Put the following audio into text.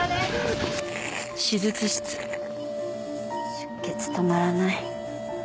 出血止まらない。